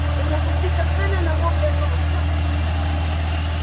yanahusika sana na ngombe ambao huwa msingi